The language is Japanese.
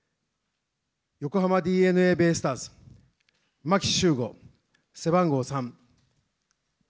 横浜ＤｅＮＡベイスターズ、牧秀悟、背番号３。